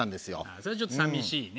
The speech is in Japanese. それはちょっと寂しいね。